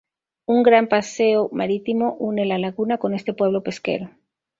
Un gran paseo marítimo une la laguna con este pueblo pesquero.